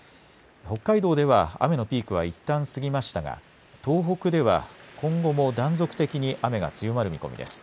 北海道では雨のピークはいったん過ぎましたが東北では今後も断続的に雨が強まる見込みです。